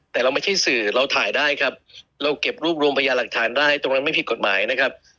แต่เราไม่ใช่สื่อเราถ่ายได้ครับเราเก็บรวบรวมพยาหลักฐานได้ตรงนั้นไม่ผิดกฎหมายนะครับ